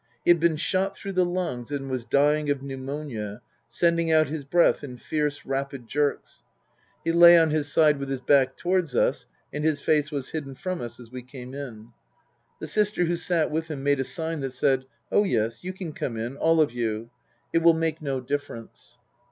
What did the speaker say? He had been shot through the lungs and was dying of pneumonia, sending out his breath in fierce, rapid jerks. He lay on his side with his back towards us, and his face was hidden from us as we came in. The sister who sat with him made a sign that said, " Oh yes, you can come in, all of you ; it will make no difference."